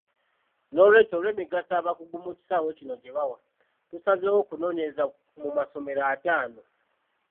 N'olwekyo olw'emigaso abakugu mu kisaawe kino gyebawa, tusazeewo okunoonyereza mu masomero ataano.